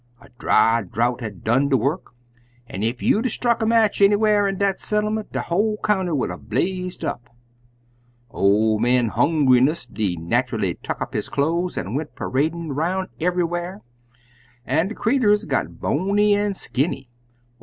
A dry drouth had done de work, an' ef you'd 'a' struck a match anywhar in dat settlement, de whole county would 'a' blazed up. Ol' man Hongriness des natchally tuck of his cloze an' went paradin' 'bout eve'ywhar, an' de creeturs got bony an' skinny.